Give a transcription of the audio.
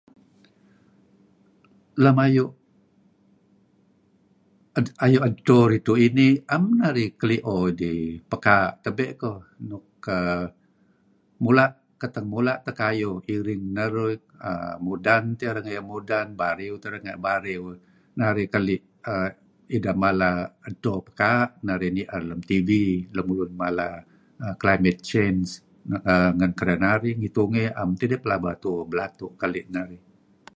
"Lam ayu ayu edto ridtu' inih 'am keduih kelio idih pekaa' tabe' koh nuk kah uhm mula' teh kayuh iring narih, mudan tiueh renga' iyah mudan, bariew ieh renga' iyeh batiew. Renga' iyeh bariew lit keli' ideh edto pekaa' narih nier lam TV lun mala ""Climate Change"". Ngen kedinarih tungey naem tidih pelaba tuuh belatu' keli' arih."